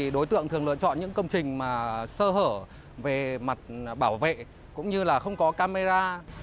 đối tượng thường lựa chọn những công trình sơ hở về mặt bảo vệ cũng như là không có camera